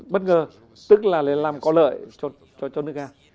bất ngờ tức là làm có lợi cho nước nga